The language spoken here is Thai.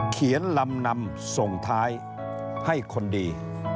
ลำนำส่งท้ายให้คนดี